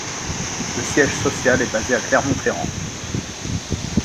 Le siège social est basé à Clermont-Ferrand.